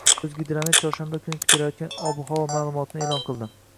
O‘zgidromet chorshanba kuni kutilayotgan ob-havo ma’lumotini e’lon qildi